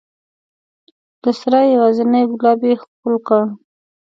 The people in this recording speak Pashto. د سرای یوازینی ګلاب یې ښکل کړ